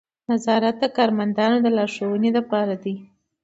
نظارت د کارمندانو د لارښوونې لپاره دی.